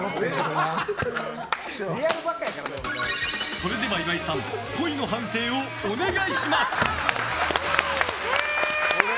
それでは岩井さんっぽいの判定をお願いします。